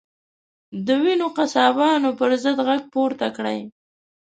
د وینو قصابانو پر ضد غږ پورته کړئ.